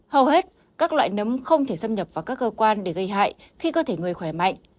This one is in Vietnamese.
hầu hết các loại nấm không thể xâm nhập vào các cơ quan để gây hại khi cơ thể người khỏe mạnh